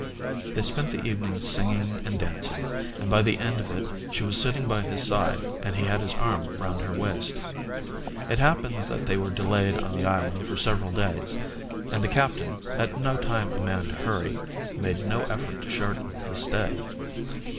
They spent the evening singing and dancing, and by the end of it she was sitting by his side and he had his arm round her waist. It happened that they were delayed on the island for several days and the captain, at no time a man to hurry, made no effort to shorten his stay.